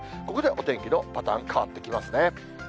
ここでお天気のパターン、変わってきますね。